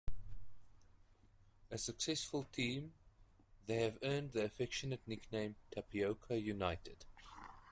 A successful team, they have earned the affectionate nickname Tapioca United.